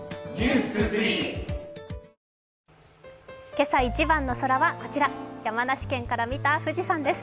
「けさ一番の空」はこちら、山梨県から見た富士山です。